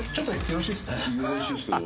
よろしいですけど。